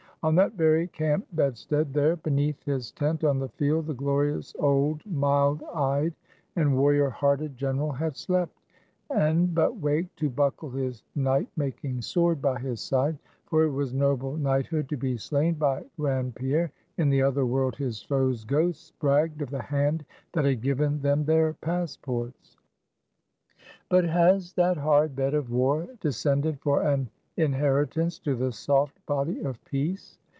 On that very camp bedstead, there, beneath his tent on the field, the glorious old mild eyed and warrior hearted general had slept, and but waked to buckle his knight making sword by his side; for it was noble knighthood to be slain by grand Pierre; in the other world his foes' ghosts bragged of the hand that had given them their passports. But has that hard bed of War, descended for an inheritance to the soft body of Peace?